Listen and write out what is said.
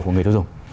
của người tiêu dùng